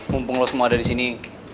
mumpung lo semua ada disini